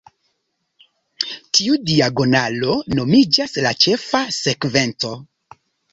Tiu diagonalo nomiĝas "la ĉefa sekvenco".